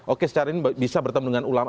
oke secara ini bisa bertemu dengan ulama